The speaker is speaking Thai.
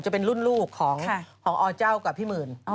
จะเป็นรุ่นลูกของอเจ้ากับพี่หมื่น